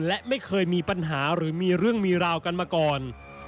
และไม่เคยมีปัญหาหรือมีเรื่องมีราวกันมาก่อน